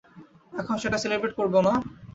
এখন সেটা সেলিব্রেট করবো না?